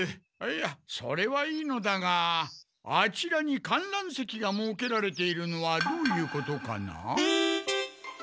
いやそれはいいのだがあちらに観覧席がもうけられているのはどういうことかな？